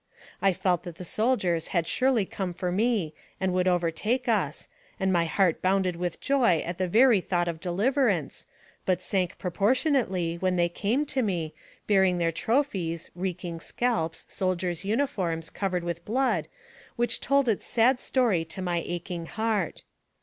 I felt that the soldiers had surely come for me and would overtake us, and my heart bounded with joy at the very thought of deliverance, but sunk proportionately when they came to me, bearing their trophies, reeking scalps, soldiers' uniforms, covered with blood, which told its sad story to my aching heart.